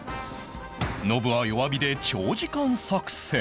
ノブは弱火で長時間作戦